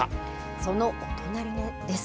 そのお隣です。